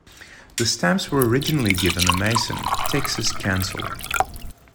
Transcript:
The stamps were originally given a Mason, Texas cancel.